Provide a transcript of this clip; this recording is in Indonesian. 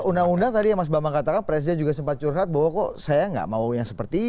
undang undang tadi yang mas bambang katakan presiden juga sempat curhat bahwa kok saya nggak mau yang seperti itu